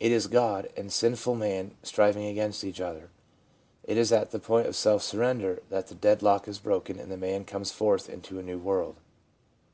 It is God and sinful man striving against each other. It is at the point of self surrender that the deadlock is broken, and the man comes forth into a new world.